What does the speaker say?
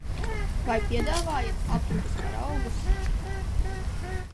Vai piedāvājat apdrukas paraugus?